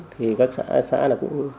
thì các xã cũng đóng vội để làm việc này